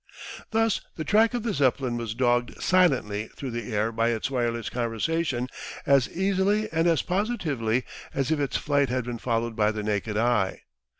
Thus the track of the Zeppelin was dogged silently through the air by its wireless conversation as easily and as positively as if its flight had been followed by the naked eye.